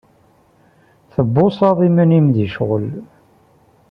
Tbuṣaḍ iman-im di ccɣel.